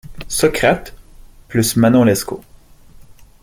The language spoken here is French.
Socrate, plus Manon Lescaut.